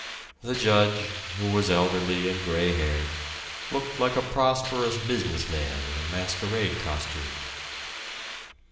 The judge, who was elderly and gray haired, looked like a prosperous business man in a masquerade costume.